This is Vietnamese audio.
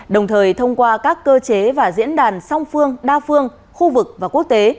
đồng thời thông qua các cơ chế và diễn đàn song phương đa phương khu vực và quốc tế